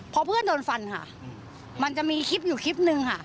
พอเพื่อนโดนฟันค่ะมันจะมีคลิปอยู่คลิปนึงค่ะ